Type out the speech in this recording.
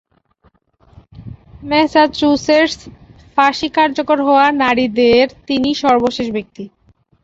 Massachusetts- ফাঁসি কার্যকর হওয়া নারীদের তিনিই সর্বশেষ ব্যক্তি।